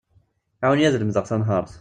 Ɛiwen-iyi ad lemdeɣ tanehart.